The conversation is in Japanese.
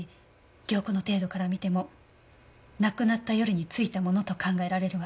凝固の程度から見ても亡くなった夜に付いたものと考えられるわ。